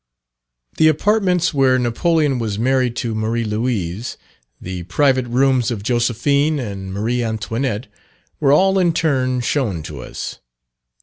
The apartments where Napoleon was married to Marie Louise; the private rooms of Josephine and Marie Antoinette, were all in turn shown to us.